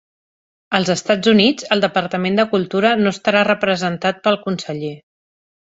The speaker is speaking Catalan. Als Estats Units, el Departament de Cultura no estarà representat pel conseller.